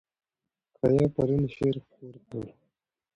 حیا پرون شعر خپور کړ.